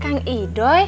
jalan dulu ya